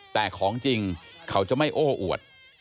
แต่ของจริงเขาจะไม่โอ้อวด